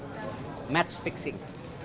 bagaimana kita membersihkan match fixing